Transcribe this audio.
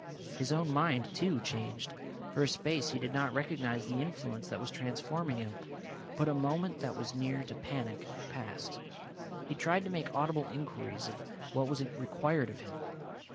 His own mind, too, changed. For a space he did not recognise the influence that was transforming him. But a moment that was near to panic passed. He tried to make audible inquiries of what was required of him.